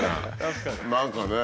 何かねえ。